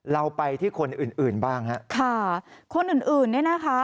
เราไปที่คนอื่นบ้างค่ะค่ะคนอื่นเนี่ยนะคะ